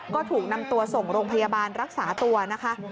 ก็ถูกนำตัวส่งโรงพยาบาลรักษาตัวนะคะ